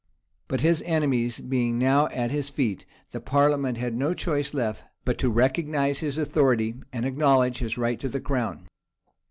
But his enemies being now at his feet, the parliament had no choice left but to recognize his authority, and acknowledge his right to the crown.